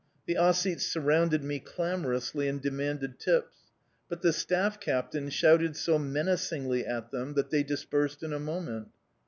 The Ossetes surrounded me clamorously and demanded tips; but the staff captain shouted so menacingly at them that they dispersed in a moment.